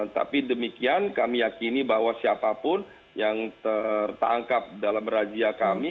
tapi demikian kami yakini bahwa siapapun yang tertangkap dalam razia kami